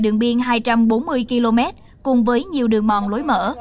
đường biên hai trăm bốn mươi km cùng với nhiều đường mòn lối mở